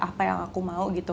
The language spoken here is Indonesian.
apa yang aku mau gitu